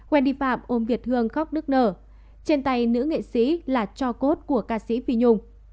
wendy phạm ôm việt hương khóc nức nở trên tay nữ nghệ sĩ là cho cốt của ca sĩ phi nhung